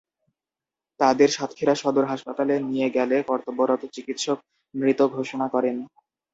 তাঁদের সাতক্ষীরা সদর হাসপাতালে নিয়ে গেলে কর্তব্যরত চিকিৎসক মৃত ঘোষণা করেন।